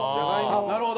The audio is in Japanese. なるほど！